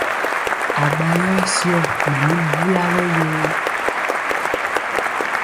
Aɓa yɔ syɔ mɛ mi bula ɓɛ yoo.